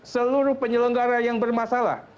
seluruh penyelenggara yang bermasalah